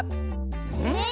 えっ？